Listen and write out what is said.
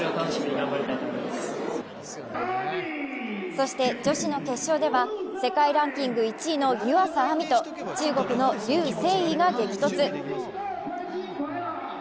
そして女子の決勝では世界ランキング１位の湯浅亜実と中国の劉清蔭が激突。